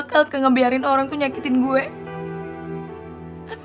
kau ini satu satunya orang yang matthew itu ngelor